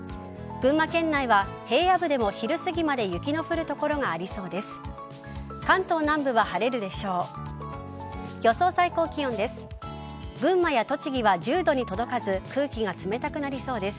群馬県内は平野部でも昼すぎまで雪の降る所がありそうです。